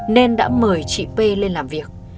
nên đã mời chị p lên làm việc